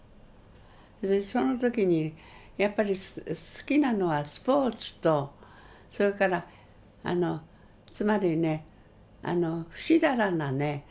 その時にやっぱり好きなのはスポーツとそれからあのつまりねふしだらなね